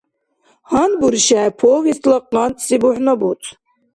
ГьанбуршехӀе повестла къантӀси бухӀнабуц.